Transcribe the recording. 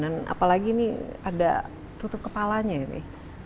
apalagi ini ada tutup kepalanya ini